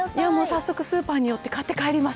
早速、スーパーに寄って買って帰ります。